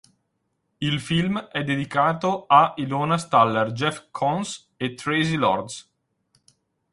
Il film è dedicato a Ilona Staller, Jeff Koons e Traci Lords.